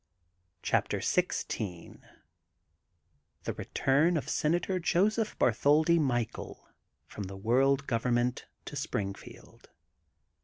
CHAPTER XVI THB BBTURN OF SENATOR JOSEPH BABTHOLDI MICHAEL FBOM THE WOBLD GOVERNMENT TO SPBINGFIELD.